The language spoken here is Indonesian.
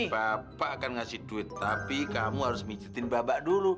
bapak akan ngasih duit tapi kamu harus mijitin babak dulu